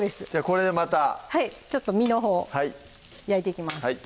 これでまたはい身のほうを焼いていきます